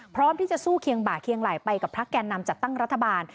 พร้อมที่จะสู้เคียงบ่าเคียงไหล่ไปกับพักแก่นำจัดตั้งรัฐบาล